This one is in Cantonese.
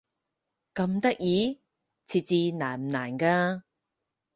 咁得意？設置難唔難㗎？